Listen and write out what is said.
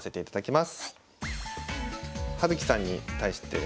葉月さんに対してですね。